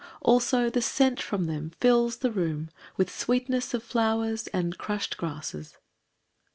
Also the scent from them fills the room With sweetness of flowers and crushed grasses.